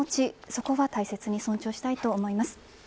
そこは大切に尊重したいと思います。